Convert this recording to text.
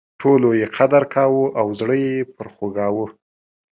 ټولو یې قدر کاوه او زړه یې پر خوږاوه.